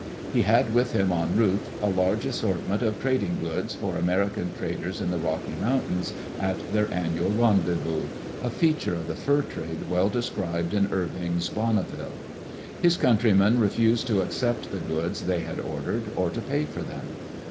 He had with him en route a large assortment of trading goods for American traders in the Rocky Mountains at their annual rendezvous — a feature of the fur trade well described in Irving's Bonneville. His countr5rmen refused to accept the goods they had or dered, or to pay for them.